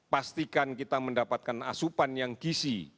pastikan kita mendapatkan asupan yang gisi